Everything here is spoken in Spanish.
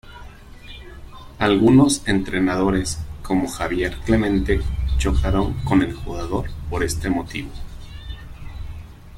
Algunos entrenadores, como Javier Clemente, chocaron con el jugador por este motivo.